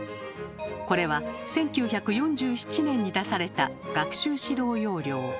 これは１９４７年に出された学習指導要領。